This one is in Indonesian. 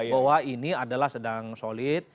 bahwa ini adalah sedang solid